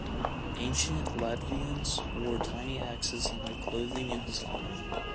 Ancient Latvians wore tiny axes on their clothing in his honor.